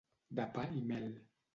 De pa i mel.